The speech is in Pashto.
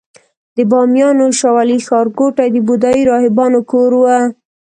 د بامیانو شاولې ښارګوټي د بودايي راهبانو کور و